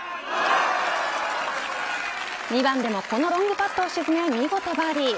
２番でもこのロングパットを沈め見事バーディー。